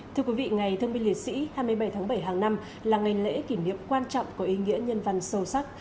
thưa quý vị ngày thương binh liệt sĩ hai mươi bảy tháng bảy hàng năm là ngày lễ kỷ niệm quan trọng có ý nghĩa nhân văn sâu sắc